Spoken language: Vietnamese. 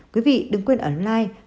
quý vị đừng quên ấn like